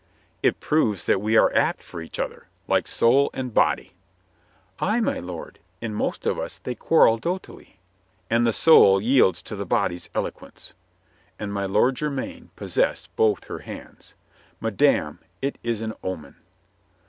"It proves that we are apt for each other, like soul and body." "Ay, my lord, in most of us they quarrel dough tily." "And the soul yields to the body's eloquence," and my Lord Jermyn possessed both her hands. "Mad ame, it is an omen."